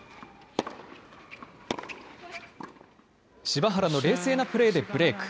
柴原の冷静なプレーでブレーク。